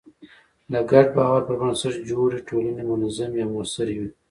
د ګډ باور پر بنسټ جوړې ټولنې منظمې او موثرې وي.